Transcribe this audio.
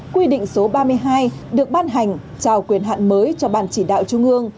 quy định số ba mươi hai được ban hành trao quyền hạn mới cho ban chỉ đạo trung ương